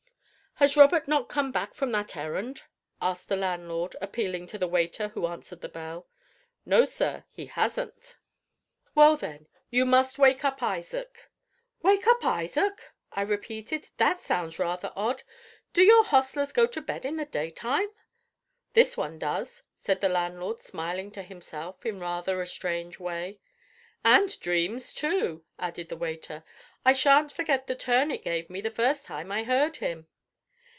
"Has Robert not come back from that errand?" asked the landlord, appealing to the waiter who answered the bell. "No, sir, he hasn't." "Well, then, you must wake up Isaac." "Wake up Isaac!" I repeated; "that sounds rather odd. Do your hostlers go to bed in the daytime?" "This one does," said the landlord, smiling to himself in rather a strange way. "And dreams too," added the waiter; "I shan't forget the turn it gave me the first time I heard him."